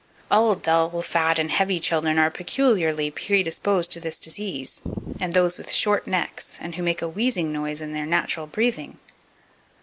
All dull, fat, and heavy children are peculiarly predisposed to this disease, and those with short necks and who make a wheezing noise in their natural breathing.